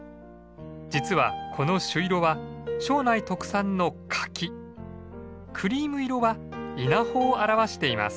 実はこの朱色は庄内特産の柿クリーム色は稲穂を表しています。